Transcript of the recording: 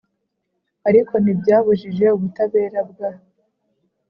ariko ntibyabujije ubutabera bwa